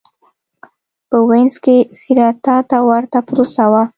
په وینز کې سېراتا ته ورته پروسه وه.